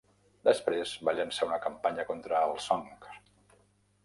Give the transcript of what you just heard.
Després va llançar una campanya contra els Song.